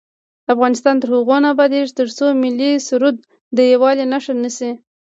افغانستان تر هغو نه ابادیږي، ترڅو ملي سرود د یووالي نښه نشي.